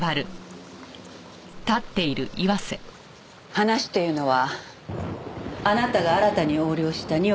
話というのはあなたが新たに横領した２億の事よ。